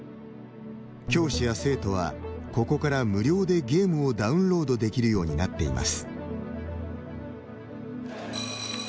教師や生徒はここから無料でゲームをダウンロードできるようになっています。